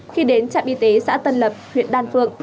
khi đến trạm y tế xã tân lập huyện đan phượng